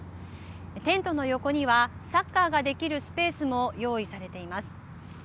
テントの横にはサッカーができるスペースも用意されています。